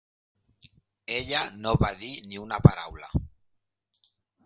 Ella no va dir ni una paraula.